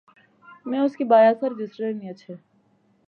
میں اُُس کی بایا سا رجسٹر ہنی اچھے